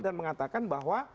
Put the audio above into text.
dan mengatakan bahwa